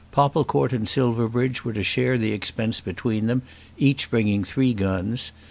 Popplecourt and Silverbridge were to share the expense between them, each bringing three guns.